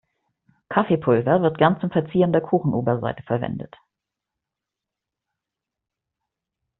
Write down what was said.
Kaffeepulver wird gerne zum Verzieren der Kuchenoberseite verwendet.